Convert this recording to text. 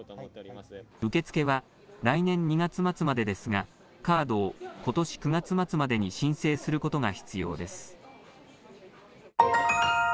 受け付けは、来年２月末までですが、カードをことし９月末までに申請することが必要です。